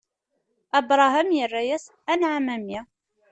Abṛaham irra-yas: Anɛam, a mmi!